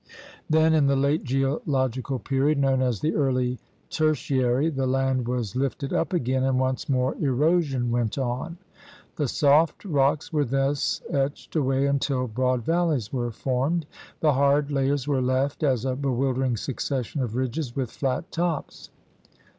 Then in the late geological period known as the early Ter tiary the land was lifted up again, and once more erosion went on. The soft rocks were thus etched away until broad valleys were formed. The hard layers were left as a bewildering succession of ridges with flat tops.